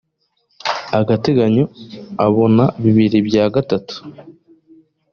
agateganyo abona bibiri bya gatatu